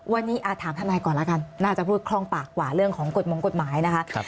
วันนี้ถามทนายก่อนแล้วกันน่าจะพูดคล่องปากกว่าเรื่องของกฎมงกฎหมายนะคะ